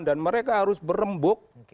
dan mereka harus berembuk